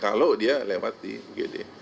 kalau dia lewat di ugd